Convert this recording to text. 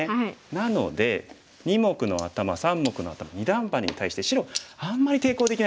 なので二目のアタマ三目のアタマ二段バネに対して白あんまり抵抗できないですよね。